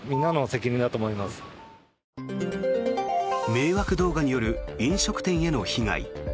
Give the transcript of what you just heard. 迷惑動画による飲食店への被害。